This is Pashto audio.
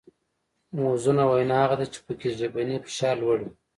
موزونه وینا هغه ده چې پکې ژبنی فشار لوړ وي